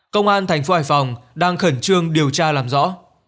công an thành phố hải phòng đang khẩn trương điều tra làm rõ